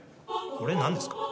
これ何ですか？